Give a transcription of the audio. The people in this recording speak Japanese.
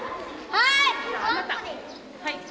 はい！